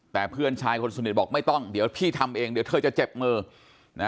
แต่เพื่อนชายคนสนิทบอกไม่ต้องเดี๋ยวพี่ทำเองเดี๋ยวเธอจะเจ็บมือนะ